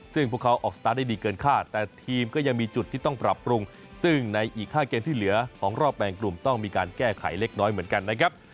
ซึ่งพวกเขาออกสตาร์ทได้ดีเกินค่าแต่ทีมก็ยังมีจุดที่ต้องปรับปรุงซึ่งในอีก๕เกมที่เหลือของรอบแบ่งกลุ่มต้องมีการแก้ไขเล็กน้อยเหมือนกันนะครับ